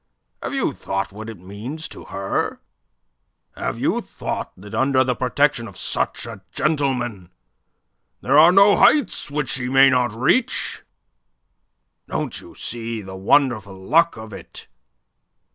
Have you thought what it means to her? Have you thought that under the protection of such a gentleman there are no heights which she may not reach? Don't you see the wonderful luck of it?